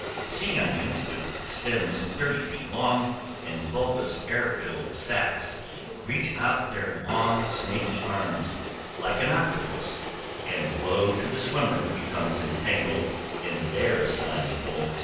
Sea onions, with stems thirty feet long, and bulbous air filled sacks, reach out their long snaky arms, like an octopus, and woe to the swimmer who becomes entangled in their slimy folds.